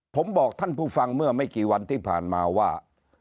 ผมบอกท่านผู้ฟังเมื่อไม่กี่วันที่ผ่านมาว่า